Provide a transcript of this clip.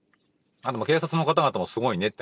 警察の方々もすごいねって。